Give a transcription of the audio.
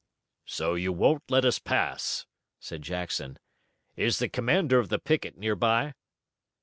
"So you won't let us pass," said Jackson. "Is the commander of the picket near by?"